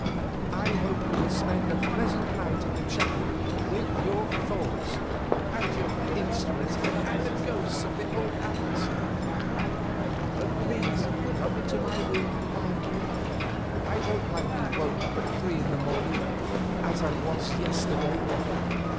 I hope you will spend a pleasant night in the chapel with your thoughts and your instruments and the ghosts of the old Abbots. But please come into my room quietly; I don't like being woke up after three in the morning, as I was yesterday."